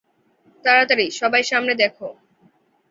তাড়াতাড়ি, সবাই সামনে দেখো।